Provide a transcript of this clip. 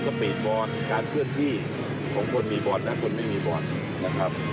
สปีดบอลการเคลื่อนที่ของคนมีบอลและคนไม่มีบอลนะครับ